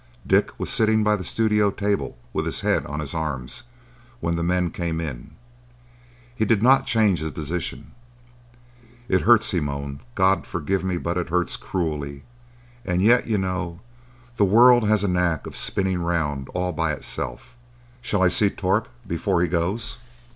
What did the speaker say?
Dick was sitting by the studio table, with his head on his arms, when the men came in. He did not change his position. "It hurts," he moaned. "God forgive me, but it hurts cruelly; and yet, y'know, the world has a knack of spinning round all by itself. Shall I see Torp before he goes?"